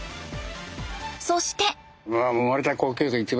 そして。